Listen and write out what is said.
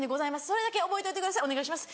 それだけ覚えといてくださいお願いします」。